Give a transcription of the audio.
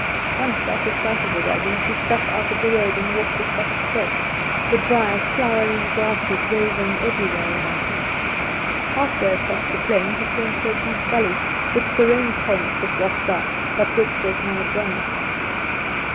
Once out of sight of the wagons he struck out of the road and walked across the veld, the dry, flowering grasses waving everywhere about him; half way across the plain he came to a deep gully which the rain torrents had washed out, but which was now dry.